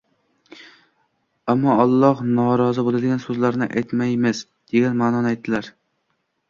ammo Alloh norozi bo‘ladigan so‘zlarni aytmaymiz” degan ma’noni aytdilar